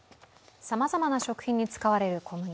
さまざまな食品に使われる小麦。